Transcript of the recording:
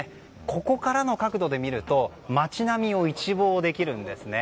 ここからの角度で見ると街並みを一望できるんですね。